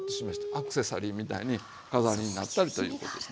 アクセサリーみたいに飾りになったりということですね。